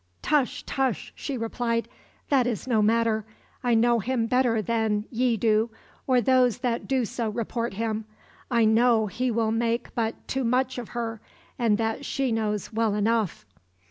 "Tush, tush," she replied, "that is no matter. I know him better than ye do, or those that do so report him. I know he will make but too much of her, and that she knows well enough."